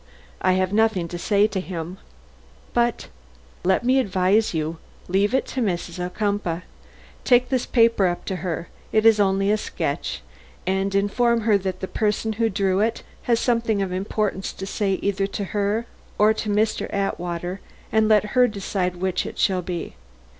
"I have nothing to say to him." "But " "Let me advise you. Leave it to Mrs. Ocumpaugh. Take this paper up to her it is only a sketch and inform her that the person who drew it has something of importance to say either to her or to Mr. Atwater, and let her decide which it shall be.